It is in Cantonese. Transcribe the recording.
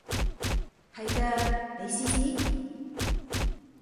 係嘅，你試試